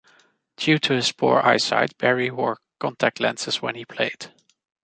Due to his poor eyesight, Berry wore contact lenses when he played.